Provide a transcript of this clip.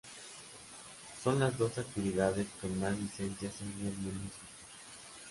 Son las dos actividades con más licencias en el municipio.